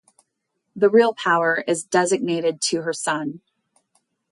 The real power is designated to her son.